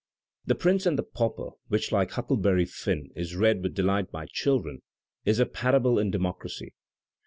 "" "The Prince and the Pauper," which Kke "Huckleberry Finn," is read with delight by children, is a parable in democ racy.